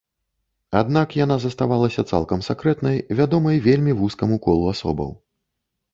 Аднак яна заставалася цалкам сакрэтнай, вядомай вельмі вузкаму колу асобаў.